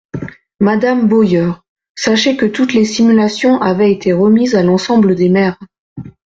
Madame Boyer, sachez que toutes les simulations avaient été remises à l’ensemble des maires.